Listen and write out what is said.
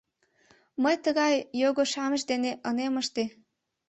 Мый тыгай його-шамыч дене ынем ыште.